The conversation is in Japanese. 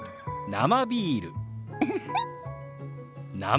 生ビール。